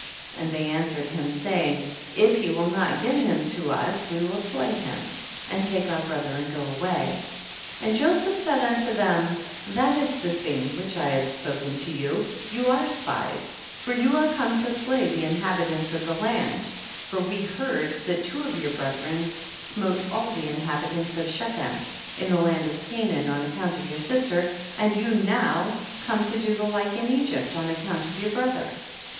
and they answered him, saying, if he will not give him unto us we will slay him, and take our brother and go away. 32. And Joseph said unto them, that is the thing which I have spoken to you ; you are spies, for you are come to slay the inhabitants of the land, for we heard that two of your brethren smote all the inhabitants of Shechem, in the land of Canaan, on account of your sister, and you now come to do the like in Egypt on ac count of your brother.